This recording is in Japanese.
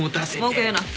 文句言うな。